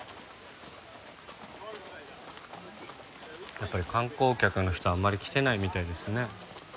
やっぱり観光客の人はあんまり来てないみたいですね。